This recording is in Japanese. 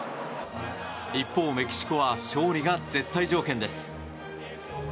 一方、メキシコは勝利が絶対条件です。